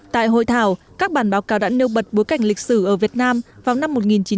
tại hội thảo các bản báo cáo đã nêu bật bối cảnh lịch sử ở việt nam vào năm một nghìn chín trăm bảy mươi